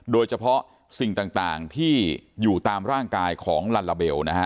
โดยเฉพาะสิ่งต่างที่อยู่ตามร่างกายของลัลลาเบลนะฮะ